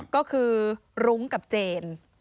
ก็คือรุ้งกับเจน